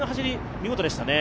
見事でしたね？